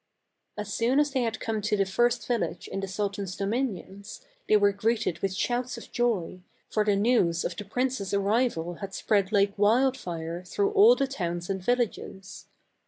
As soon as they had come to the first village in the sultan's dominions, they were greeted with shouts of joy, for the news of the prince's arrival had spread like wildfire through all the towns and villages.